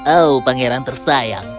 oh pangeran tersayang